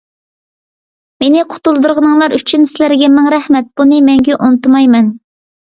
مېنى قۇتۇلدۇرغىنىڭلار ئۈچۈن سىلەرگە مىڭ رەھمەت! بۇنى مەڭگۈ ئۇنتۇمايمەن.